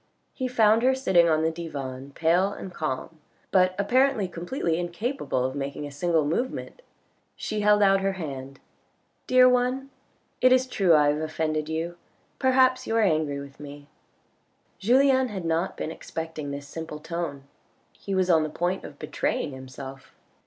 He found her sitting on the divan pale and calm, but apparently completely incapable of making a single movement. She held out her hand, 438 THE RED AND THE BLACK " Dear one, it is true I have offended you, perhaps you are angry with me." Julien had not been expecting this simple tone. He was on the point of betraying himself.